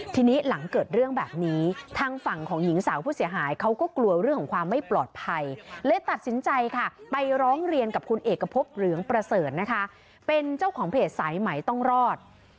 เป็นเจ้าของเพจสายใหม่ต้องรอด